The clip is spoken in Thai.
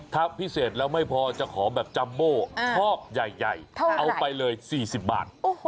ถ้าพิเศษแล้วไม่พอจะขอแบบจัมโม่ชอบใหญ่เอาไปเลย๔๐บาท